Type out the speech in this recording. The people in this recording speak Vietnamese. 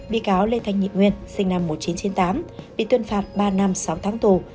bị cáo lê thanh nhị nguyên sinh năm một nghìn chín trăm chín mươi tám bị tuyên phạt ba năm sáu tháng tù